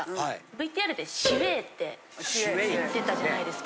ＶＴＲで「しうぇ」って言ってたじゃないですか。